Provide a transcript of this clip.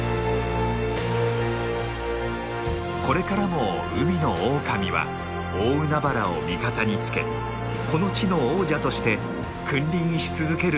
これからも海のオオカミは大海原を味方につけこの地の王者として君臨し続けることでしょう。